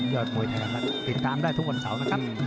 อดมวยไทยรัฐติดตามได้ทุกวันเสาร์นะครับ